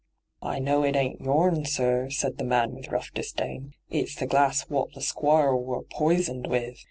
' I know it ain't youm, sir,' said the man with rough disdain. ' It's the glass wot the Sqooire wor poisoned with.